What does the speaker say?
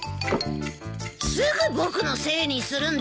すぐ僕のせいにするんだから！